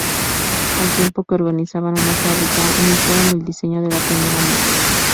Al tiempo que organizaban una fábrica iniciaron el diseño de la primera moto.